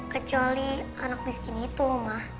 kecuali anak miskin itu rumah